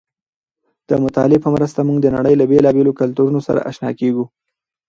د مطالعې په مرسته موږ د نړۍ له بېلابېلو کلتورونو سره اشنا کېږو.